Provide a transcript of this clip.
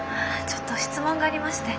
ちょっと質問がありまして。